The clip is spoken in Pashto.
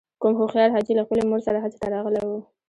کوم هوښیار حاجي له خپلې مور سره حج ته راغلی و.